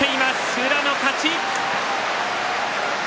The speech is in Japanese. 宇良の勝ち。